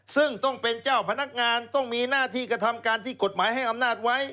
ซึ่งต้องเป็นเจ้าพนักงานต้องมีหน้าที่กระทำการที่กฎหมายให้อำนาจไว้